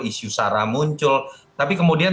isu sara muncul tapi kemudian